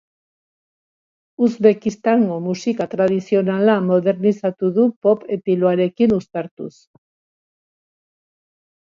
Uzbekistango musika tradizionala modernizatu du pop etiloarekin uztartuz.